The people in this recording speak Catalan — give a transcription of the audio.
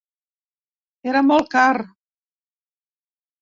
Era molt car.